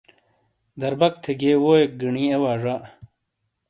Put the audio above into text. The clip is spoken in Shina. دَربَک تھے گِیئے ووئیک گِینی اے وا زا۔